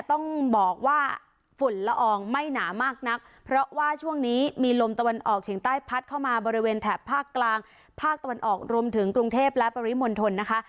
ต้องบอกว่าฝุ่นละอองไม่หนามากนักเพราะว่าช่วงนี้มีลมตะวันออกเฉียงใต้พัดเข้ามาบริเวณแถบภาคกลางภาคตะวันออกรวมถึงกรุงเทพและปริมณฑลนะคะ